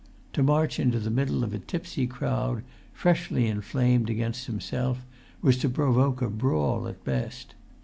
To march into the middle of a tipsy crowd, freshly inflamed against himself, was to provoke a brawl at best.